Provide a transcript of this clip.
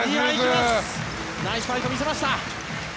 ナイスファイト見せました。